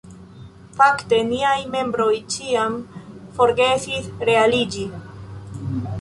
Fakte niaj membroj ĉiam forgesis re-aliĝi.